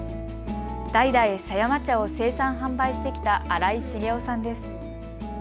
代々、狭山茶を生産、販売してきた新井重雄さんです。